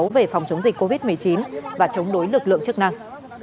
về phòng chống dịch covid một mươi chín và chống đối lực lượng chức năng